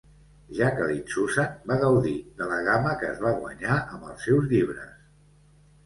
Jacqueline Susann va gaudir de la gama que es va guanyar amb els seus llibres.